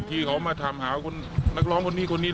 ส่วนชาวบ้านที่อยู่ในระแวกพื้นที่นะครับ